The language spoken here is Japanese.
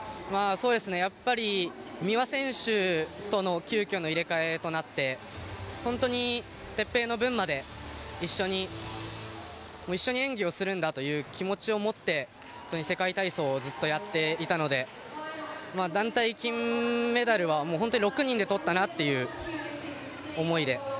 やっぱり、三輪選手との急きょの入れ替えとなって本当に、哲平の分まで一緒に演技をするんだという気持ちを持って世界体操をずっとやっていたので団体金メダルは、本当に６人でとったなっていう思いで。